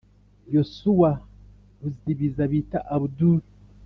yosuwa ruzibiza bita abdul,